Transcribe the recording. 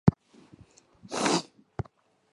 单蕊拂子茅为禾本科拂子茅属下的一个种。